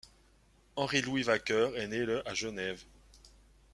Henri-Louis Wakker est né le à Genève.